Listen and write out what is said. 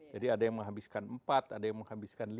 ada yang menghabiskan empat ada yang menghabiskan lima